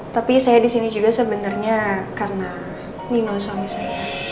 tapi saya disini juga sebenernya karena nino suami saya